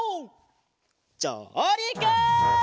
じょうりく！